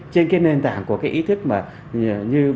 trên nền tảng của ý thức của chủ tịch hồ chí minh